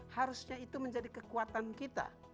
harusnya itu menjadi kekuatan kita